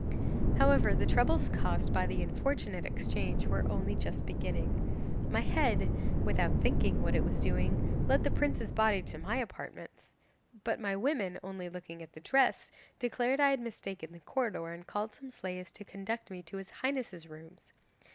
'However, the troubles caused by the unfortunate exchange were only just beginning. My head, without thinking what it was doing, led the prince's body to my apartments. But my women, only looking at the dress, declared I had mistaken the corridor, and called some slaves to conduct me to his highness's rooms.